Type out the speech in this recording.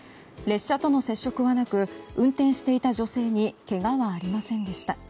列車との接触はなく運転していた女性にけがはありませんでした。